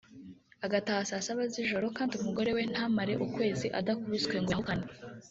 agataha saa Saba z’ijoro kandi umugore we ntamare ukwezi adakubiswe ngo yahukane